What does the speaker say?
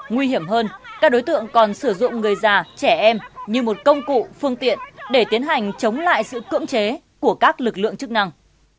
nguy hiểm hơn các đối tượng còn sử dụng người già trẻ em như một công cụ phương tiện để tiến hành chống lại sự cưỡng chế của các lực lượng chức năng